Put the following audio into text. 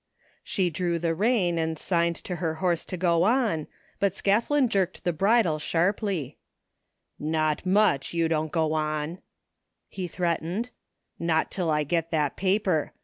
She drew the rein and signed to her horse to go on, but Scathlin jerked the birdie sharply :" Not much, you don't go on," he threatened, " not till I get that paper.